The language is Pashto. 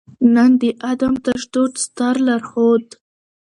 نــن د عـدم تـشدود د ســتــر لارښــود